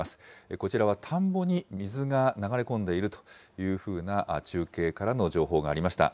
こちらは田んぼに水が流れ込んでいるというふうな、中継からの情報がありました。